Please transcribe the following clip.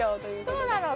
そうなの。